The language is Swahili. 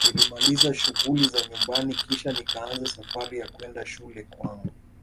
Nilimaliza shughuli za nyumbani Kisha nikaanza Safari ya kwenda shule kwangu